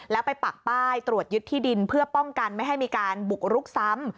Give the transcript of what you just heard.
แล้วไปปักป้ายตรวจยึดที่ดินเพื่อป้องกันไม่ให้มีการบุกรุกซ้ำ